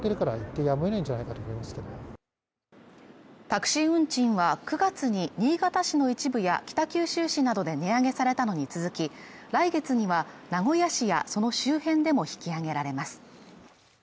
タクシー運賃は９月に新潟市の一部や北九州市などで値上げされたのに続き来月には名古屋市やその周辺でも引き上げられます